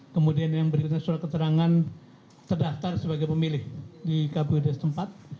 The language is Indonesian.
kemudian yang berikutnya surat keterangan terdaftar sebagai pemilih di kpud setempat